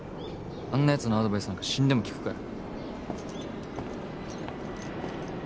あんなやつのアドバイスなんか死んでも聞くかよ